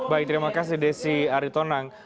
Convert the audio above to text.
baik terima kasih desi aritonang